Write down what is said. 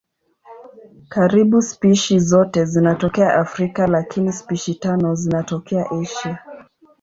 Karibu spishi zote zinatokea Afrika lakini spishi tano zinatokea Asia.